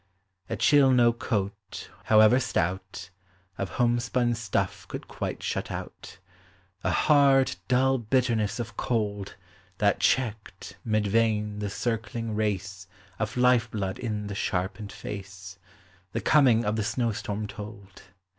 A chill no coat, however stout, Of homespun stun" could quite shut out, A hard, dull bitterness of cold, That checked, mid vein, the circling race Of life blood in the sharpened face. The coming of the snow storm told.